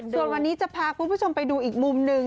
ส่วนวันนี้จะพาคุณผู้ชมไปดูอีกมุมหนึ่ง